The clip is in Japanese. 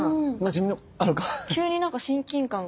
急になんか親近感が。